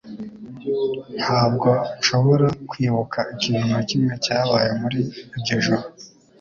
Ntabwo nshobora kwibuka ikintu na kimwe cyabaye muri iryo joro.